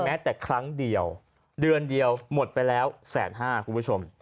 แม้แต่ครั้งเดียวเดือนเดียวหมดไปแล้วแสนห้าคุณผู้ชม